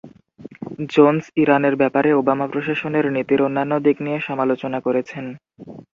Jones ইরানের ব্যাপারে Obama প্রশাসনের নীতির অন্যান্য দিক নিয়ে সমালোচনা করেছেন।